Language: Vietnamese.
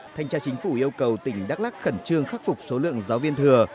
thanh tra chính phủ yêu cầu tỉnh đắk lắc khẩn trương khắc phục số lượng giáo viên thừa